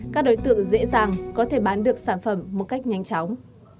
các đối tượng dễ dàng có thể bán được sản phẩm một cách nhanh chóng